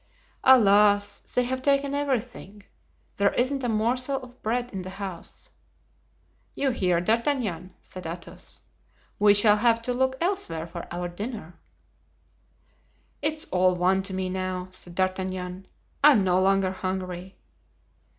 "Alas, they have taken everything; there isn't a morsel of bread in the house." "You hear, D'Artagnan?" said Athos; "we shall have to look elsewhere for our dinner." "It is all one to me now," said D'Artagnan; "I am no longer hungry."